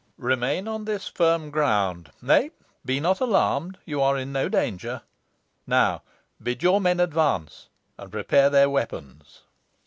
"Remain on this firm ground. Nay, be not alarmed; you are in no danger. Now bid your men advance, and prepare their weapons."